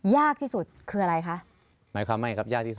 ยากที่สุดคืออะไรคะหมายความไม่ครับยากที่สุด